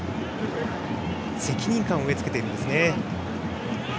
責任感を植えつけているんですね。